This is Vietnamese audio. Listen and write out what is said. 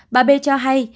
bà b cho hay